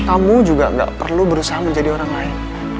kamu juga gak perlu berusaha menjadi orang lain